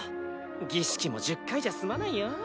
儀式も１０回じゃ済まないよ。